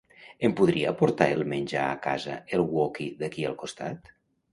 Em podria portar el menjar a casa el Woki d'aquí al costat?